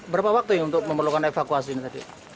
berapa waktu untuk memerlukan evakuasi ini tadi